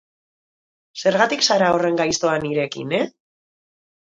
Zergatik zara horren gaiztoa nirekin, e?